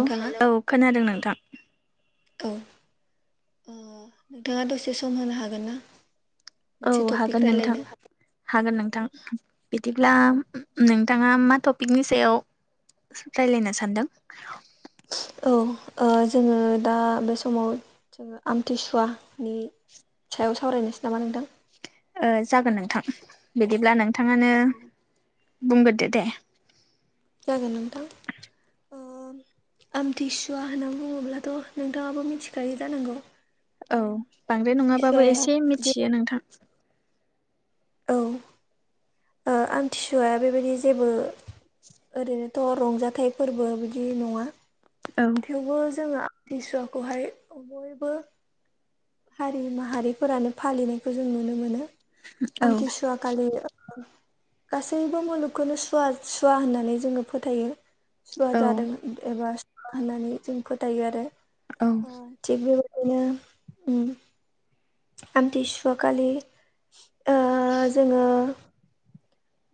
औ- औ खोनादों नोंथां। औ ओ नोंथाङा दसे सम होनो हागोन ना। औ मोनसे टपिक हागोन नोंथां। रायलायनो हागोन नोंथां बिदिब्ला नोंथाङा मा टपिकनि सायाव रायलायनो सानदों। औ ओ जोङो दा बे समाव जोङो आमथिसुवानि सायाव सावरायनोसै नामा नोंथां। ओ जागोन नोंथां बिदिब्ला नोंथाङानो बुंग्रोदो दे। जागोन नोंथां। आमथिसुवा होनना बुङोब्लाथ' नोंथाङाबो मिथिखायो जानांगौ। ओ औ बांद्राय नङाबाबो आमथिसुवाया एसे बे मिथियो नोंथां। औ ओ आमथिसुवा बेबायदि जेबो ओरैनोथ' रंजाथाइ फोरबो बिदि नङा औ। थेवबो जोङो आमथिसुवाखौहाय बयबो हारि माहारिफोरानो फालिनायखौ जों नुनो मोनो औ आमथिसुवा खालि गासैबो मुलुगखौनो सुवा सुवा होननानै जोङो फोथायो। सुवा औ जादों एबा सुवा होननानै जों फोथायो आरो। औ‌। ओ थिग बेबायदिनो उम आमथिसुवा खालि ओ जोङो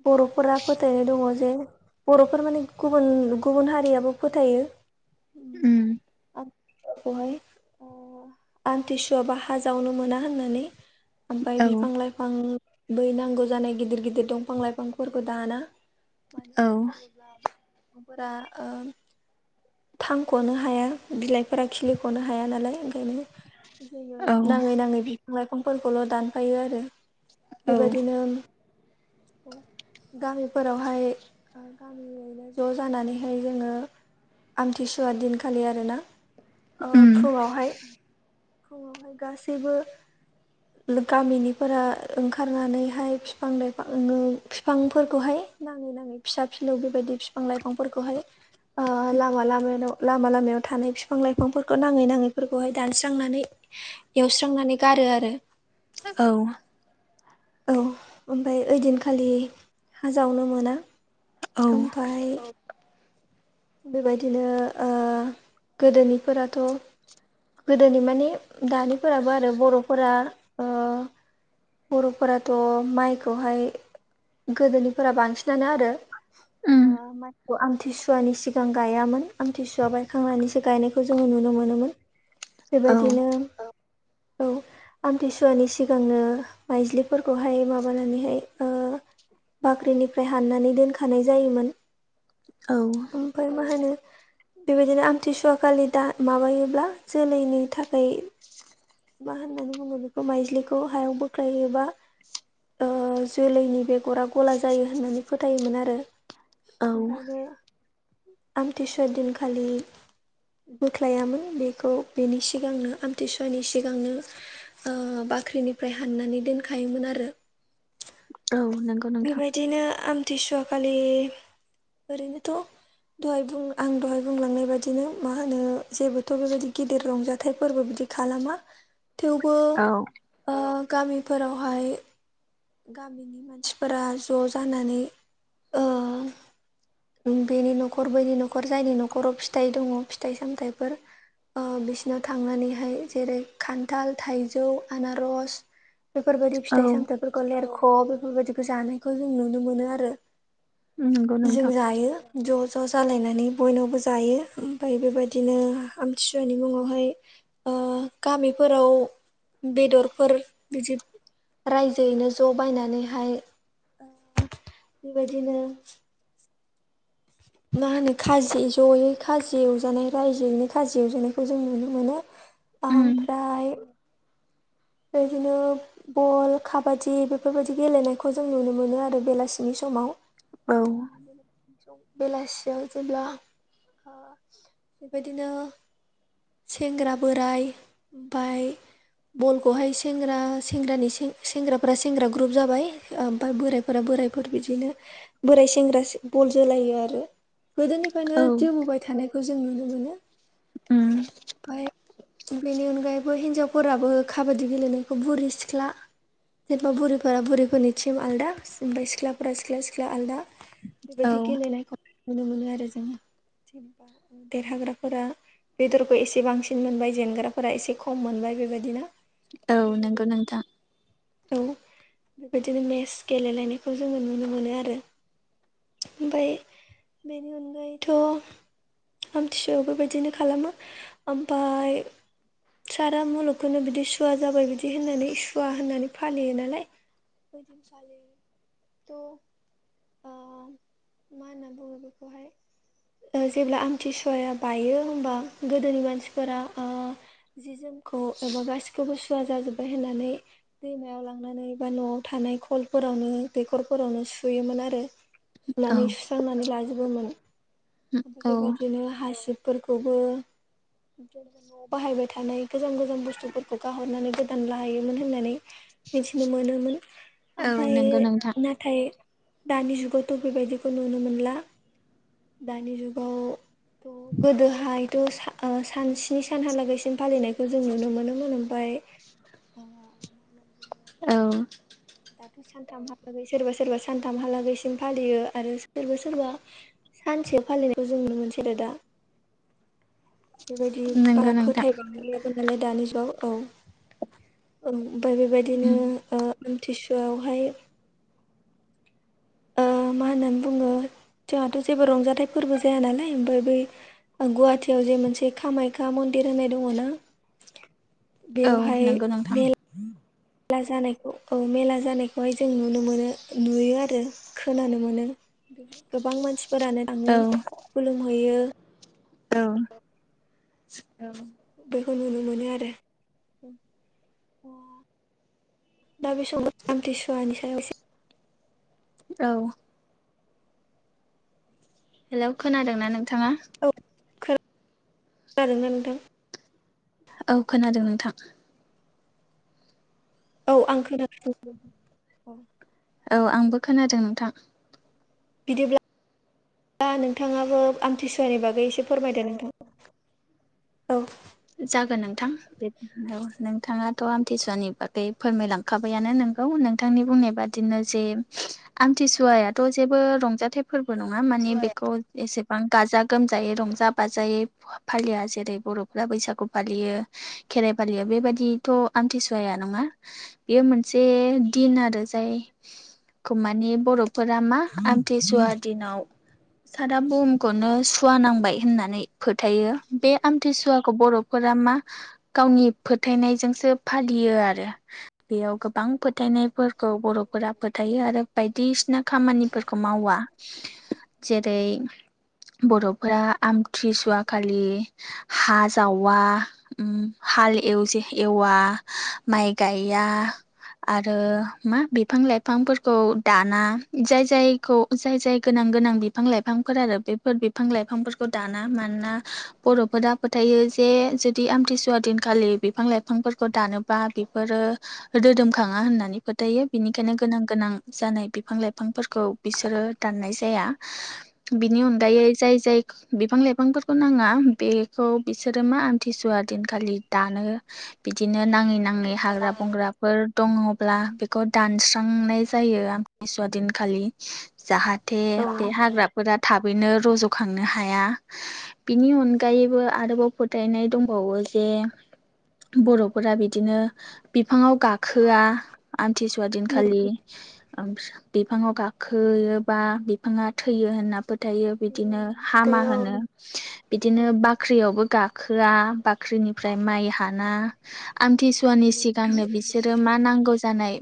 बर'फोरा फोथायनाय दङ जे बर'फोर माने गुबुन गुबुन हारियाबो फोथायो। उम बेहाय आ आमथिसुवाबा हा जावनो मोना होननानै ओमफाय औ बिफां - लाइफां बै नांगौ जानाय गिदिर - गिदिर दंफां - लाइफांफोरखौ दाना। मानो औ होनना बुङोब्ला बे सुबुंफांफोरा ओ [unintelligible] थांख'नो हाया बिलाइफोरा खिलिख'नो हाया नालाय ओंखायनो जोङो औ नाङै - नाङै बिफां - लाइफांफोरखौल' दानफायो आरो। औ बेबादिनो औ गामिफोरावहाय गामियैनो ज' जानानैहाय जोङो आमथिसुवा दिनखालि आरोना ओ उम फुङावहाय फुङावहाय गासैबो [inaudible] गामिनिफोरा ओंखारनानैहाय फिफां- लाइफां ओङो फिफांफोरखौहाय नाङै -नाङै फिसा फिलौ बेबायदि फिफां लाइफांफोरखौहाय आ लामायाव -लामा लामायाव थानाय फिफां लाइफांफोरखौ नाङै नाङैफोरखौहाय दानस्रांनानै एवस्रांनानै गारो आरो। औ औ ओमफाय ओइदिनखालि हाजावनो मोना औ ओमफाय बेबायदिनो ओ गोदोनिफोराथ' गोदोनि माने दानिफोराबो आरो बर'फोरा ओ [inaudible] बर'फोराथ' माइखौहाय गोदोनिफोरा बांसिनानो आरो ओ उम मायखौ आमथिसुवानि सि सिगां गायामोन आमथिसुवा बायखांनानैसो गायनायखौ जोङो नुनो मोनोमोन। औ बेबायदिनो औ औ आमथिसुवानि सिगांनो माइज्लिफोरखौहाय माबानानैहाय ओ बाख्रिनिफ्राय हाननानै दोनखानाय जायोमोन। औ ओमफ्राय मा होनो। बेबायदिनो आमथिसुवा खालि दा माबायोब्ला जोलैनि थाखाय मा होननानै बुङो बेखौ माइजलिखौ हायाव बोख्लाययोबा जोलैनि बेगरा गला जायो होननानै फोथायोमोन आरो। औ ओंखायनो आमथि सुवा दिनखालि बोख्लायामोन बेखौ बेनि सिगांनो आमथिसुवानि सि सिगांनो बाख्रिनिफ्राय हाननानै दोनखायोमोन आरो। औ नंगौ नोंथां बेबायदिनो आमथिसुवा खालि ओरैनोथ' दहाय बुं आं दहाय बुंलांनाय बादिनो मा होनो जेबोथ' बेबायदि गिदिर रंजाथाइ फोरबो बिदि खालामा। थेवबो औ गामिफोरावहाय गामिनि मानसिफोरा ज' जानानै ओ बेनि न'खर बैनि न'खर जायनि न'खराव फिथाइ दङ फिथाइ -सामथाइफोर बिसिनाव थांनानैहाय जेरै खान्थाल, थाइजौ, आनारस बेफोर बायदि औ फिथाइ -सामथायाइफोरखौ लेरख' बेफोर बायदिखौ जानायखौ जों नुनो मोनो आरो। नंगौ जों नोंथां जायो। ज' ज' जालायनानै बयनावबो जायो ओमफ्राय बेबायदिनो आमथिसुवानि मुङावहाय गामिफोराव बेदरफोर बिदि रायजो जैनो ज' बायनानैहाय बेबायदिनो मा होनो खाजि जयै खाजि एवजानाय रायजोयैनो खाजि एवजानायखौ जों नुनो मोनो। उम ओमफ्राय बिदिनो बल, काबादि बेफोरबायदि गेलेनायखौ जों नुनो मोनो आरो बेलासिनि समाव। औ। बेलासियाव जेब्ला बेबायदिनो सेंग्रा- बोराइ ओमफ्राय बल सेंग्रा -सेंग्रानि -सेंग्राफोरा -सेंग्रा ग्रुप जाबाय। ओमफ्राय बोरायफोरा बोरायफोर बिदिनो बोराय सेंग्रा बल जोलायो आरो गोदोनि औ गोदोनिफ्रायनो जोबोबाय थानायखौ जों नुनो मोनो। उम। ओमफ्राय बेनि अनगायैबो हिनजावफोराबो खाबादि गेलेनायखौ बुरै सिख्ला जेनेबा बुरैफोरा बुरैफोरनि टिम आलादा आमफ्राय सिख्लाफोरा सिख्ला सिख्ला आलादा। औ बेबायदि गेलेनायखौ नुनो मोनो आरो जोङो जेनेबा देरहाग्राफोरा। बेदरखौ एसे बांसिन मोनबाय जेनग्राफोरा एसे खम मोनबाय बेबायदिनो। औ नंगौ नोंथां [inaudible] औ बेबायदिनो मेस गेलेलायनायखौ जोङो नुनो मोनो आरो। ओमफ्राय बेनि अनगायैथ' आमथि सुवायाव बेबायदिनो खालामो ओमफ्राय। सारा मुलुगखौनो बिदि सु सुवा जाबाय बिदि होननानै सुवा होननानै फालियो नालाय। खालिथ'। होनना [inaudible] बुङो बेखौहाय। जेब्ला आमथिसुवाया बायो होमबा गोदोनि मानसिफोरा। जि जोमखौ एबा गासिखौबो सुवा जाजोब्बाय होननानै दैमायाव लांनानै बा न'आव थानाय खलफोरावनो दैखरफोरावनो सुयोमोन आरो। औ सुनानै सुस्रांनानै लाजोबोमोन ओमफ्राय औ बेबायदिनो हासिब। फोरखौबो ज न'आव बाहायबाय थानाय गोजान गोजान बुस्थुफोरखौ गाहरनानै गोदान लाहैयोमोन होननानै मिथिनो मोनोमोन औ ओमफ्राय नंगौ नोंथां नाथाय। दानि जुगावथ' बेबायदिखौ नुनो मोनला। दानि जुगावथ' गोदोहायथ' सान सनि सानहालागैसिम फालिनायखौ जों नुनो मोनोमोन ओमफ्राय अ औ दाथ' सानथामहालागै सोरबा सोरबा सानथामहालागैसिम फालियो आरो सोरबा सोरबा सानसे फालिनायखौ जों नुनो मोनसै आरो दा। बेबायदि नंगौ बारा नोंथां फोथायबावाय जागोन नालाय दानि जुगाव औ ओमफाय बेबायदिनो आमथिसुवायावहाय मा होननानै बुङो जोंहाथ' जेबो रंजाथाइ फोरबो जाया नालाय ओमफ्राय बै गुवाहाटियाव जे मोनसे कामाख्या मन्दिर होननाय दङ ना। [inaudible] बेवहाय नंगौ नोंथां मा मेला जानायखौ औ मेला जानायखौहाय जों नुनो मोनो नुयो आरो। खोनानो मोनो गोबां मानसिफोरानो औ थाङो खुलुमहैयो। औ औ बेखौ नुनो मोनो आरो। अ दा बे समाव आमथिसुवानि सायाव एसे औ हेलौ खोनादोंना नोंथाङा। औ जादोंना नोंथां? औ खोनादों नोंथां। औ आं खोनाासदों औ। औ आंबो खोनादों नोंथां। बिदिब्ला नोंथाङाबो आमथिसुवानि बागै एसे फोरमायदो नोंथां। औ जागोन नोंथां बे औ नोंथाङाथ' आमथिसुवानि बागै फोरमायलांखाबायानो नोंगौ नोंथांनि बुंनाय बादि बिदिनो जे आमथिसुवायाथ' जेबो रंजाथाइ फोरबो नङा मानिे बेखौ एसेबां गाजा गोमजायै रंजा बाजायै फालिया जेरै बर' खख्ला बैसागु फालियो खेराइ फालियो बेबायदिथ' आमथिसुवाया नङा बेयो मोनसे दिन आरो जाय मानिे बर'फोरा मा आमथिसुवा दिनाव सारा बुहुमखौनो सुवा नांबाय होननानै फोथायो बे आमथि सुवाखौ बर'फोरा मा गावनि फोथायनायजोंसो फालियो आरो बेयाव गोबां फोथायनायफोर खौ बर'फोरा फोथायो आरो बायदिसिना खामानिफोरखौ मावा जेरै बर'फोरा आमथिसुवााखलि हा जावा हाल एव एववा माइ गया आरो मा बिफां लाइफांफोरखौ दाना जाय जायखौ जाय जाय गोनां गोनां बिफां लाइफांफोर आरो बेफोर बिफां लाइफांफोरखौ दाना मानोना बर'फोरा होथायो जे जुदि आमथिसुवा दिनखालि बिफां - लाइफां खौ दानोबा बेफोरो रोदोमखाङा होननानै फोथायो बेनिखायनो गोनां गोनां जानाय बिफां लाइफांफोरखौ बिसोरो दाननाय जाया बिनि अनगायै जाय जाय बिफां - लाइफांफोरखौ नाङा बे खौ बिसोरो मा आमथिसुवा दिनखालि दानो बिदिनो नाङै नाङै हाग्रा बंग्राफोर दङब्ला बेखौ दानस्रांनाय जायो आमथिसुवा दिनखालि जाहाथे औ बे हाग्रा फोरा थाबैनो रज'खांनो हाया बिनि अनगायै आरोबाव फोथायनाय दंबावो जे बर'फोरा बिदिनो बिफाङाव गाखोआ आमथिसुवा दिनखालि बिफाङाव गाखो खोयोबा बिफाङा थैयो होन्नाबो हमथायो बिदिनो हामा होनो बिदिनो बाख्रियावबो गाखोआ बा बाख्रिनिफ्राय माइ हाना आमथिसुवानि सिगांनो बिसोरो मा नांगौ जानाय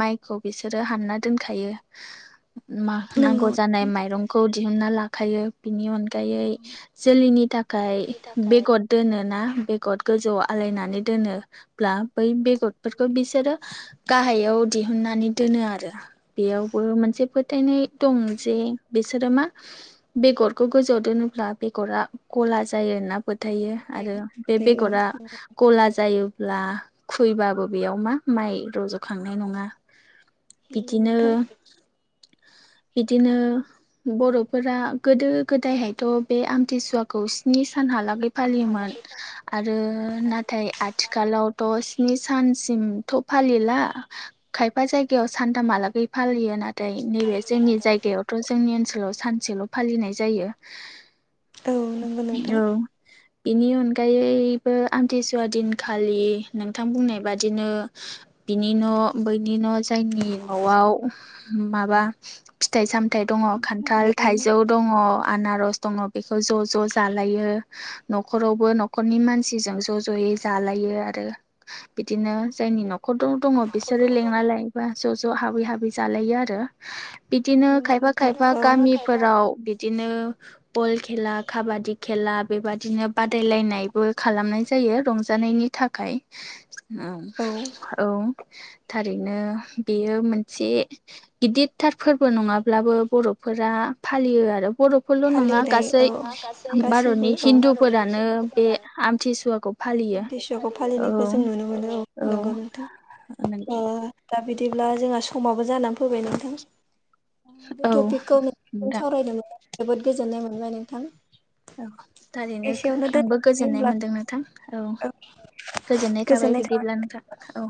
माइखौ बिसोरो हानना दोनखायो मा नंगौ नांगौ नोंथां जानायनाय माइरं खौ दिहुनना लाखायो बिनि अनगायै जोलैनि थाखाय बेगर दोनोना बेगर गोजौआव आलायनानै दोनोब्ला बै बेगरफोरखौ बिसोरो गाहायाव दिहुननानै दोनो आरो बेयावबो मोनसे फोथायनाय दं जे बिसोरो मा बेगरखौ गोजौआव दोनोब्ला बेगरा गला जायो होनना फोथायो आरो बे औ बेगरा गला जायोब्ला खुैबाबो बेयाव मा माइ रज'खांनाय नङा नंगौ बिदिनो नोंथां बिदिनो बर'फोरा गोदो गोदायहायथ' बे आमथिसुवा खौ स्नि सानहालागै फालियोमोन आरो नाथाय आथिखाल आथिखालावथ' स्नि सानसिमथ' फालिला खायफा जायगायाव सानथाहालागै फालियो नाथाय फ्राय नैबे जोंनि जायगायावथ' जोंनि ओनसोलाव सानसेल' फालिनाय जायो औ नों औ बिनि अनगायैबो आमथिसुवा दिनखालि नोंथां बुंनाय बादिनो बिनि न' बैनि न' जायनि न'आव माबा फिथाइ सामथाइ दङ खान्थाल औ थाइजौ दङ आनारस दङ बेखौ ज' ज' ज' जालायो न'खरावबो न'खरनि मानसिजों ज' ज'यै जालायो आरो बिदिनो जायनि न'खराव दङ बिसोरो लेंना लायोबो ज' ज' हाबै हाबै जालायो आरो बिदिनो नंगौ खायफा नोंथां खायफा औ गामिफोराव बिदिनो बल खेला खाबादि खेला बेबादिनो बादायलायनायबो खालामनाय जायो रंजानायनि थाखाय औ औ थारैनो बेयो मोनसे गिदिरथार फोरबो नङाब्लाबो बर'फोरा फालियो आरो बर'फोरल' नङा गासै भारतनि गाससिबो औ हिन्दुफोरानो बे [unintelligible] आमथिसुवाखौ फालियो आमथिसुवाखौ औ फालिनायखौ जों नुनो मोनो औ नंगौ नंगौ नोंथां दा बिदिब्ला जोंहा समाबो जानानै फैबाय नोंथां बे औ टपिकखौ नोंजों नोंथां सावरायदोंमोन जोबोद गोजोननाय मोनबाय नोंथां औ थारैनो एसेयावनो आंबो दोनथ'नोसै गोजोननाय होनब्ला मोनदों नोंथां औ गोजोननाय थाबाय बिदिब्ला नोंथां औ